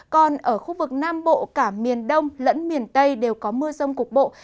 còn ở khu vực nam bộ cả miền đông lẫn miền tây đều có mưa rông cục bộ